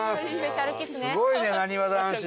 すごいねなにわ男子